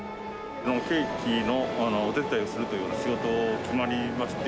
ケーキのお手伝いをするという仕事が決まりまして。